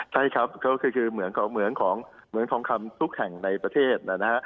ใช่ครับก็คือเหมืองของเหมืองทองคำทุกแห่งในประเทศนะฮะ